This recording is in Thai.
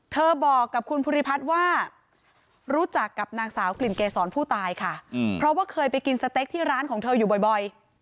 บอกกับคุณภูริพัฒน์ว่ารู้จักกับนางสาวกลิ่นเกษรผู้ตายค่ะเพราะว่าเคยไปกินสเต็กที่ร้านของเธออยู่บ่อย